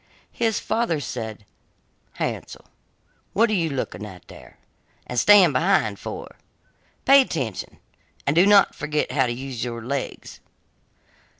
His father said: 'Hansel, what are you looking at there and staying behind for? Pay attention, and do not forget how to use your legs.